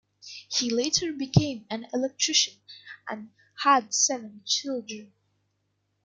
He later became an electrician, and had seven children.